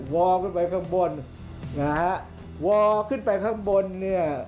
วอลขึ้นไปข้างบน